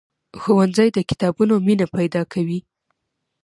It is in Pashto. ښوونځی د کتابونو مینه پیدا کوي.